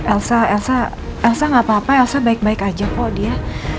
elsa elsa gak apa apa elsa baik baik aja kok dia